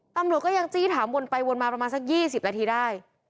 ต่ำหนวก็ยังจี้ถามวนอีกสัก๒๐นาทีได้